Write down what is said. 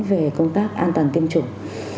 về công tác an toàn tiêm chủng